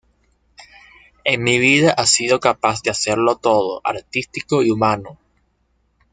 En mi vida ha sido capaz de hacerlo todo, artístico y humano.